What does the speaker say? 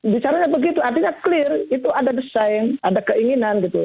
bicaranya begitu artinya clear itu ada desain ada keinginan gitu